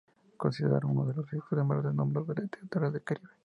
Considerado uno de los escritores más renombrados de la literatura del Caribe.